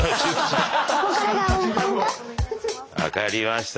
分かりました。